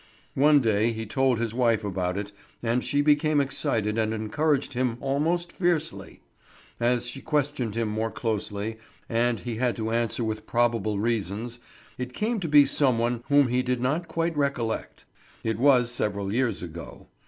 One day he told his wife about it, and she became excited and encouraged him almost fiercely. As she questioned him more closely, and he had to answer with probable reasons, it came to be some one whom he did not yet quite recollect: it was several years ago.